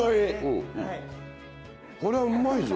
これはうまいぞ。